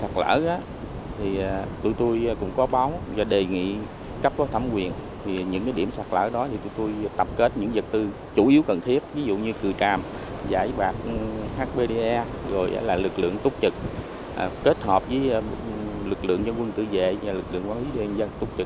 rồi là lực lượng túc trực kết hợp với lực lượng dân quân tự dệ lực lượng quán hữu dân dân túc trực để xử lý tình huống